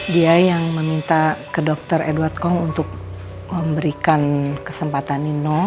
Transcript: dia yang meminta ke dokter edw com untuk memberikan kesempatan nino